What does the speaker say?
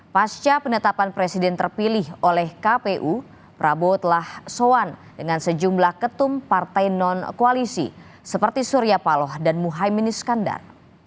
pasca penetapan presiden terpilih oleh kpu prabowo telah soan dengan sejumlah ketum partai non koalisi seperti surya paloh dan muhaymin iskandar